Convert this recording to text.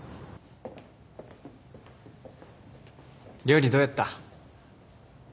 料理どうやった？